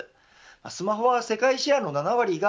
スマホは世界シェアの７割が